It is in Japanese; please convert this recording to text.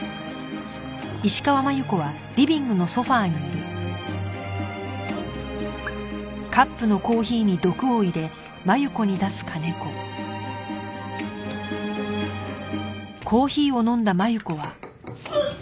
あっあっ！